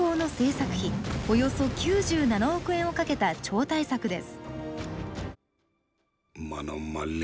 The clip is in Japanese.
およそ９７億円をかけた超大作です。